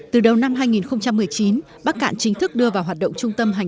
từ đầu năm hai nghìn một mươi chín bắc cạn chính thức đưa vào hoạt động chủ yếu